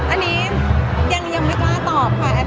อันนี้ยังมีกล้าตอบ